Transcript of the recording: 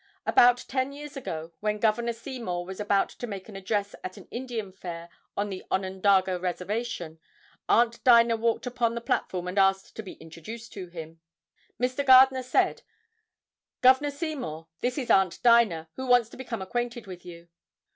About ten years ago, when Governor Seymour was about to make an address at an Indian fair on the Onondaga reservation, Aunt Dinah walked upon the platform and asked to be introduced to him. Mr. Gardner said, "Governor Seymour, this is Aunt Dinah, who wants to become acquainted with you."